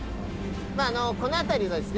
この辺りはですね